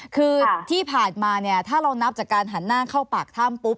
คือที่ผ่านมาเนี่ยถ้าเรานับจากการหันหน้าเข้าปากถ้ำปุ๊บ